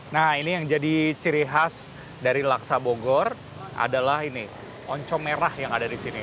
nah ini yang jadi ciri khas dari laksa bogor adalah ini oncom merah yang ada di sini